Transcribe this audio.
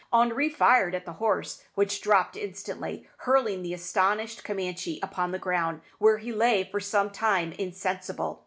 Henri fired at the horse, which dropped instantly, hurling the astonished Camanchee upon the ground, where he lay for some time insensible.